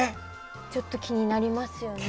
ちょっと気になりますよね。